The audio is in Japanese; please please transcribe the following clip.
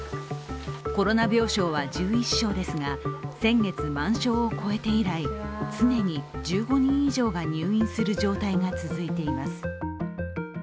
コロナ病床は１１床ですが、先月、満床を超えて以来、常に１５人以上が入院する状態が続いています。